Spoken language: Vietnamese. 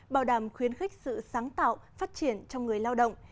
bảo đảm khuyến khích sự sáng tạo phát triển trong người lao động